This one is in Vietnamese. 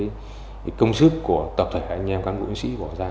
những cái công sức của tập thể anh em cán bộ y sĩ bỏ ra